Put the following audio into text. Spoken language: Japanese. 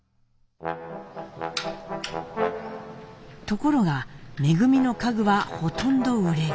ところが恩の家具はほとんど売れず。